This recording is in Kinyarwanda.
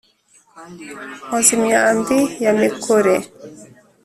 nkoze imyambi ya mikore,